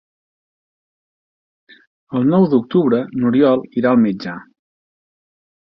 El nou d'octubre n'Oriol irà al metge.